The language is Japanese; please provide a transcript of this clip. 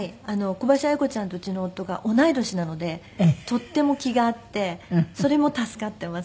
小林綾子ちゃんとうちの夫が同い年なのでとっても気が合ってそれも助かっています。